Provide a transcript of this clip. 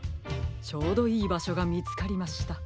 ちょうどいいばしょがみつかりました。